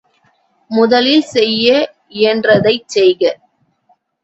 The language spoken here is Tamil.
முதலில் செய்ய இயன்றதைச் செய்க!